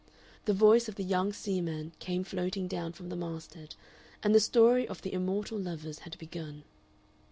The voice of the young seaman came floating down from the masthead, and the story of the immortal lovers had begun.